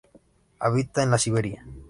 Habita en la Siberia.